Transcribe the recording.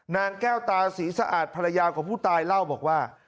นางแก้วตาศรีสะอาดภรรยาของผู้ตายเล่าบอกว่า